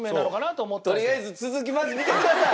とりあえず続きまず見てください！